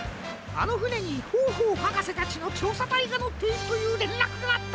あのふねにホーホーはかせたちのちょうさたいがのっているというれんらくがあった。